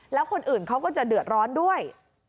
แล้วคนอื่นเขาก็จะเดือดร้อนด้วย